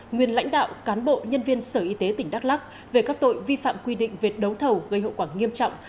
nguyên lãnh đạo cán bộ nhân viên sở y tế tỉnh đắk lắc về các tội vi phạm quy định về đấu thầu gây hậu quả nghiêm trọng